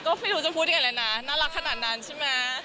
ก็ไม่รู้จะพูดยังไงเลยนะน่ารักขนาดนั้นใช่ไหม